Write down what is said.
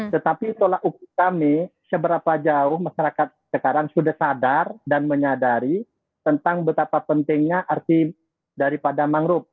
tetapi tolak ukur kami seberapa jauh masyarakat sekarang sudah sadar dan menyadari tentang betapa pentingnya arti daripada mangrove